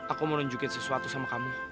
aku mau nunjukin sesuatu sama kamu